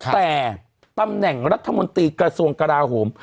แต่ตำแหน่งรัฐมนตรีกระทรวงกราโหม